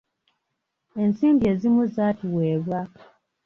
Ensimbi ezimu zaatuweebwa.